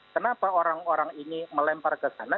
kenapa orang orang ini melempar ke sana